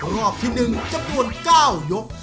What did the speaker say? รอบที่๑จำนวน๙ยก